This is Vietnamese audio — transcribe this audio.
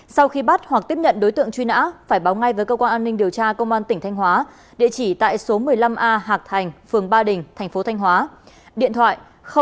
sau khi bắt hoặc tiếp nhận đối tượng truy nã phải báo ngay với cơ quan an ninh điều tra công an tỉnh thanh hóa địa chỉ tại số một mươi năm a hạc thành phường ba đình tp thanh hóa điện thoại sáu trăm chín mươi hai tám trăm tám mươi chín hai trăm bốn mươi ba